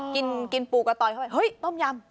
กินปูกระตอยเข้าไปเฮ้ยต้มยำ